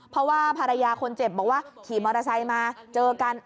เพราะว่าภรรยาคนเจ็บบอกว่าขี่มอเตอร์ไซค์มาเจอกัน